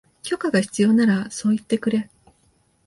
許可が必要ならそう言ってくれ